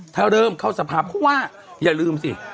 ถ้าเริ่มเข้าสภาพผู้ว่าอย่าลืมสิ